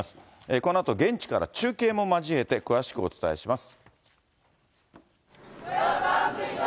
このあと現地から中継を交えて、詳しくお伝えします。